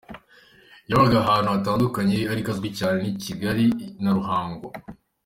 Yabaga ahantu hatandukanye ariko aho azwi cyane ni Kigali na Ruhango.